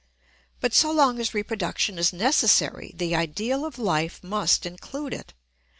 But so long as reproduction is necessary the ideal of life must include it.